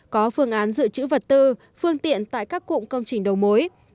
có phương án dự trữ vật tư phương tiện tại các cụm công trình đầu mối